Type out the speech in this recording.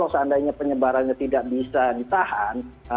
seandainya penyebarannya tidak bisa ditahan